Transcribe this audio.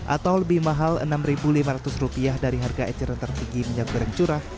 atau lebih mahal rp enam lima ratus dari harga eceran tertinggi minyak goreng curah